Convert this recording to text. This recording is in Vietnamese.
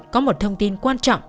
có một thông tin quan trọng